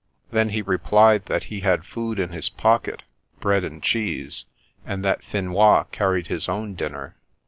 Then he replied that he had food in his pocket, bread and cheese, and that Finois carried his own dinner.